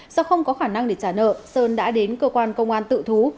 do không có khả năng để trả nợ sơn đã đến cơ quan công an tự thú